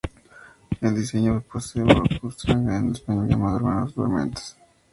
El disco posee un bonus track en español llamado "Hermanos Dementes".